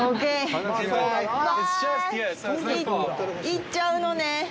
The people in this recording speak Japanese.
行っちゃうのね。